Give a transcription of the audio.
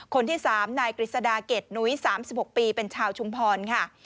คนที่สามนายกฤษดาเกดหนุ้ย๓๖ปีเป็นชาวชุมพร